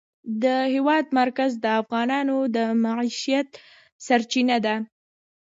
د هېواد مرکز د افغانانو د معیشت سرچینه ده.